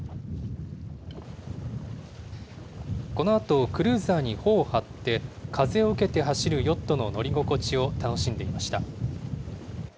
このあと、クルーザーに帆を張って、風を受けて走るヨットの乗り心地を楽しんでいました。